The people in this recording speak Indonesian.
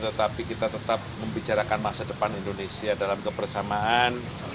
tetapi kita tetap membicarakan masa depan indonesia dalam kebersamaan